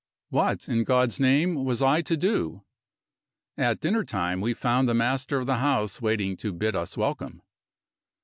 What, in God's name, was I to do? At dinner time we found the master of the house waiting to bid us welcome.